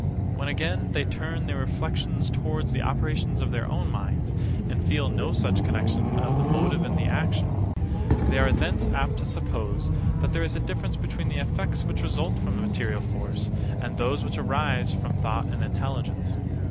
When again they turn their reflections towards the operations of their own minds, and feel no such connexion of the motive and the action; they are thence apt to suppose, that there is a difference between the effects which result from material force, and those which arise from thought and intelligence.